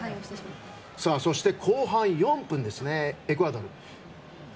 そして後半４分ですエクアドル。